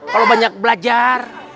kalau banyak belajar